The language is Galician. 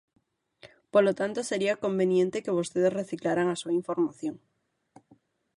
Polo tanto, sería conveniente que vostedes reciclaran a súa información.